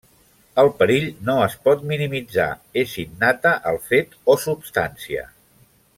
El perill no es pot minimitzar, és innata al fet o substància.